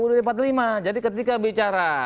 undang undang empat puluh lima jadi ketika bicara